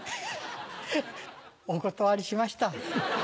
お断りしました。